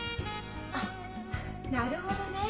あっなるほどね。